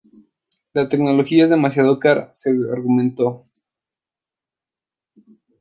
La tecnología es demasiado cara, se argumentó.